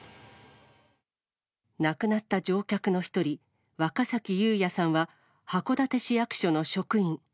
亡くなった乗客の１人、若崎友哉さんは函館市役所の職員。